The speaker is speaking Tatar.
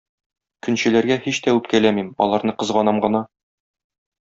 Көнчеләргә һич тә үпкәләмим, аларны кызганам гына.